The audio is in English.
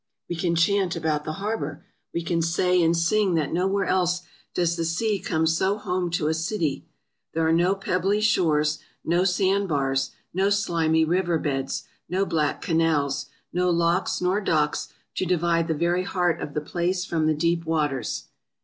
We can chant about the harbor ; we can say and sing that no where else does the sea come so home to a city; there are no pebbly shores — no sand bars — no slimy river beds — no black canals — no locks nor docks to divide the very heart of the place from the deep waters.